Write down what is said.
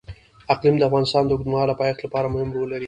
اقلیم د افغانستان د اوږدمهاله پایښت لپاره مهم رول لري.